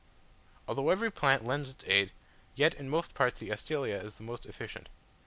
Although every plant lends its aid, yet in most parts the Astelia is the most efficient.